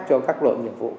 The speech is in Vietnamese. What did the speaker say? cho các đội nhiệm vụ